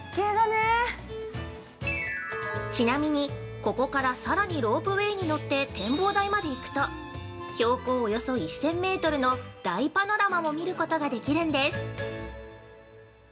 ◆ちなみに、ここからさらにロープウエーに乗って展望台まで行くと、標高およそ１０００メートルの大パノラマも見ることができるんです。